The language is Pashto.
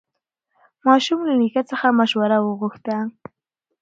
ماشوم له نیکه څخه مشوره وغوښته